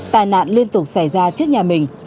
tài nạn liên tục xảy ra trước nhà mình